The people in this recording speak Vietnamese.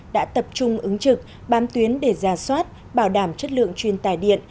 đã tập trung ứng trực bám tuyến để ra soát bảo đảm chất lượng chuyên tài điện